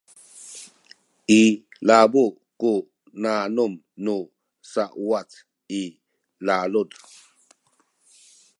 ilabu ku nanum nu sauwac i lalud